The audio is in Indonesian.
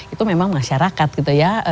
itu memang masyarakat gitu ya